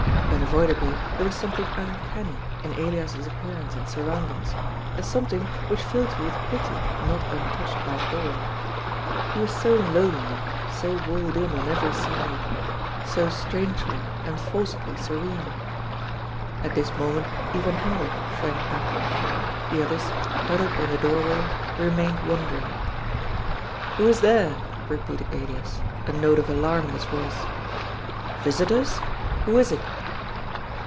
Unavoidably there was something uncanny in Elias's appearance and surroundings, a something which filled you with pity not untouched by awe. He was so lonely, so walled in on every side, so strangely, enforcedly serene. At this moment even Hendrik shi*ank back. The others, huddled in the doorway, remained wondering. " Who is there ?" repeated Elias, a note of alarm in his voice. "Visitors? Who is it?"